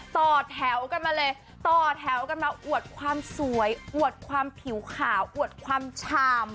ต่อแถวกันมาเลยต่อแถวกันมาอวดความสวยอวดความผิวขาวอวดความชาม